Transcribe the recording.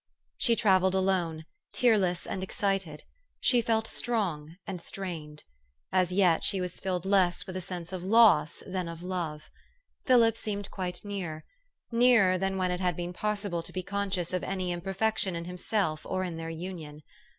She travelled alone, tearless and excited. She felt strong and strained. As yet she was filled less with a sense of loss than love. Philip seemed quite near, nearer than when it had been possible to be conscious of any imperfection in himself or in their union.